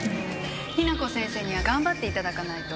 雛子先生には頑張っていただかないと。